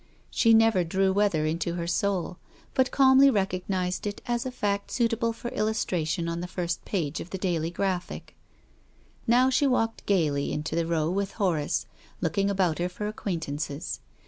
She never drew weather into her soul, but calmly recognized it as a fact suita ble for illustration on the first page of the Daily Graphic. Now she walked gaily into the Row with Horace, looking about her for acquaintances.